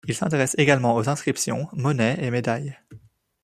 Il s’intéresse également aux inscriptions, monnaies et médailles.